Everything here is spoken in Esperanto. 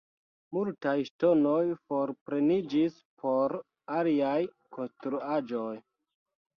Multaj ŝtonoj forpreniĝis por aliaj konstruaĵoj.